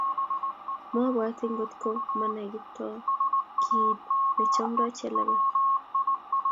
mobwoti ngot ko manai Kiptoo kiit nechomdoi Jelagat